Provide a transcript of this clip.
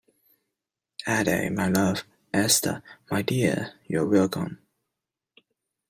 Ada, my love, Esther, my dear, you are welcome.